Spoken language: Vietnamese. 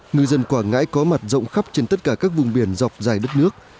ngư dân quảng ngãi có mặt rộng khắp trên tất cả các vùng biển dọc dài đất nước